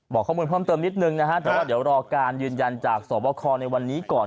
บอกข้อมูลเพิ่มเติมนิดนึงนะฮะแต่ว่าเดี๋ยวรอการยืนยันจากสวบคอในวันนี้ก่อน